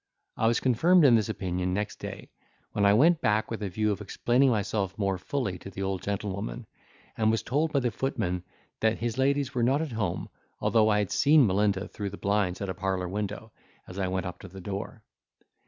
I was confirmed in this opinion next day, when I went back with a view of explaining myself more fully to the old gentlewoman; and was told by the footman that his ladies were not at home, although I had seen Melinda through the blinds at a parlour window, as I went up to the door.